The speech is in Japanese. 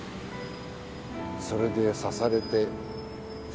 それで刺されて。